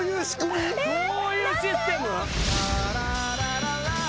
どういうシステム？